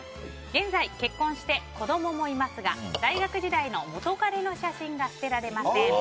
現在、結婚して子供もいますが大学時代の元カレの写真が捨てられません。